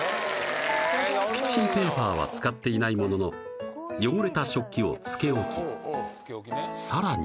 キッチンペーパーは使っていないものの汚れた食器を浸け置きさらに